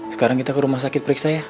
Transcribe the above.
sekarang kita ke rumah sakit periksa ya